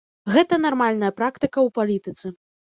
Гэта нармальная практыка ў палітыцы.